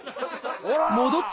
ほら！